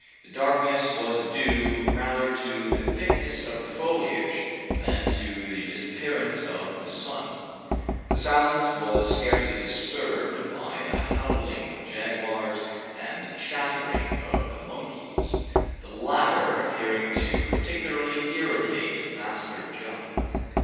The darkness was due rather to the thickness of the foliage than to the disappearance of the sun. The silence was scarcely disturbed by the howling of jaguars and the chattering of the monkeys, the latter appearing to particularly irritate Master Jup.